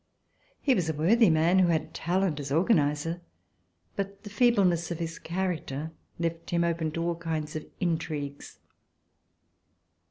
He was a worthy man who had talent as organizer, but the feebleness of his character left him open to all kinds of intrigues.